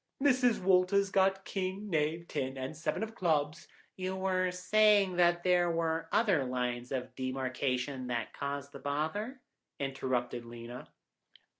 Mrs. Walters had got king, knave, ten, and seven of clubs—" "You were saying that there were other lines of demarcation that caused the bother," interrupted Lena.